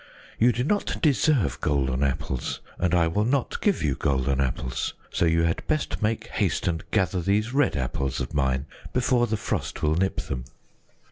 You do not deserve golden apples, and I will not give you golden apples. So you had best make haste and gather these red apples of mine before the frost will nip them."